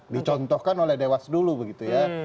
dicontohkan oleh dewas dulu begitu ya